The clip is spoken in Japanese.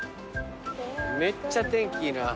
めっちゃ天気いいな。